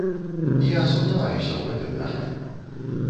Я сумняваюся ў гэтым, на жаль.